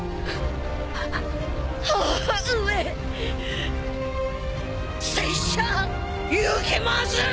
母上拙者行きまする！